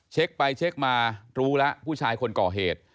เช็คไปเช็คมารู้แล้วผู้ชายคนก่อเหตุ